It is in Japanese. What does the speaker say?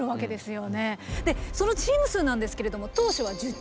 でそのチーム数なんですけれども当初は１０チーム。